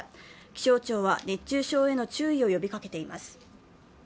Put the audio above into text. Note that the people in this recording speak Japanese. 気象庁は熱中症への注意を呼びかけています。